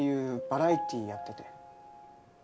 バラエティーやってて。